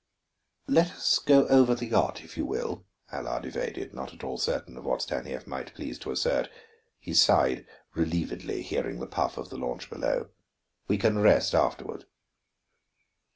"Let us go over the yacht, if you will," Allard evaded, not at all certain of what Stanief might please to assert. He sighed relievedly, hearing the puff of the launch below. "We can rest afterward."